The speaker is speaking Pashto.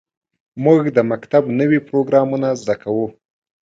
موږ د مکتب نوې پروګرامونه زده کوو.